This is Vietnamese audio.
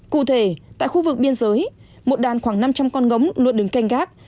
cụ thể tại khu vực biên giới một đàn khoảng năm trăm linh con ngống luôn đứng canh gác